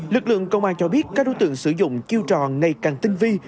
lực lượng công an cho biết các đối tượng sử dụng chiêu trò ngày càng tinh vi